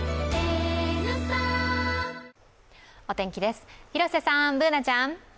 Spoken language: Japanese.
お天気です、広瀬さん、Ｂｏｏｎａちゃん。